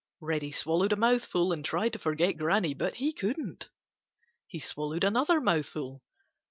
Reddy swallowed a mouthful and tried to forget Granny. But he couldn't. He swallowed another mouthful.